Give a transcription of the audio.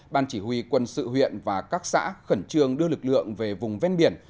ban chỉ huy quân sự huyện và các xã khẩn trương đưa lực lượng về vùng ven biển